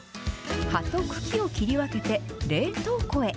葉と茎を切り分けて、冷凍庫へ。